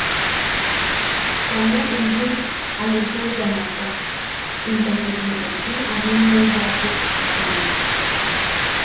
Ket ne enchim a lutuʼuria maka into ket enchim a juʼuneyaneʼepo amani.